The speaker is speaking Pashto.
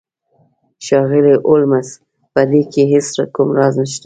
ښاغلی هولمز په دې کې هیڅ کوم راز نشته